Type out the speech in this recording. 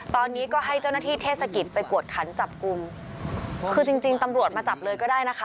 ตอนนี้ก็ให้เจ้าหน้าที่เทศกิจไปกวดขันจับกลุ่มคือจริงจริงตำรวจมาจับเลยก็ได้นะคะ